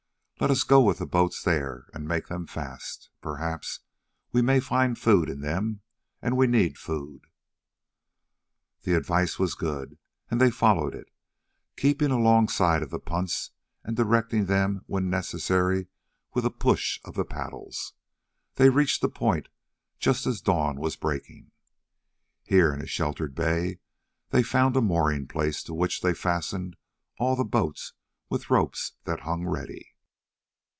"Let us go with the boats there and make them fast. Perhaps we may find food in them, and we need food." The advice was good, and they followed it. Keeping alongside of the punts and directing them, when necessary, with a push of the paddles, they reached the point just as the dawn was breaking. Here in a sheltered bay they found a mooring place to which they fastened all the boats with ropes that hung ready.